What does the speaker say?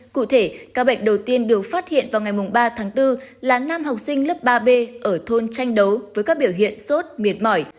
cụ thể ca bệnh đầu tiên được phát hiện vào ngày ba tháng bốn là nam học sinh lớp ba b ở thôn tranh đấu với các biểu hiện sốt mệt mỏi